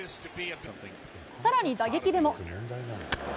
さらに打撃でも。